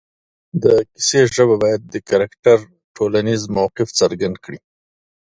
د کیسې ژبه باید د کرکټر ټولنیز موقف څرګند کړي